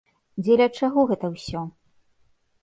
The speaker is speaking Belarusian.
Дзеля чаго гэта ўсё?